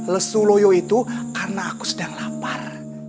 lesu loyo itu karena aku sedang lapar